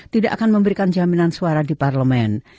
tidak akan memberikan jaminan suara di parlemen